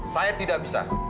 saya tidak bisa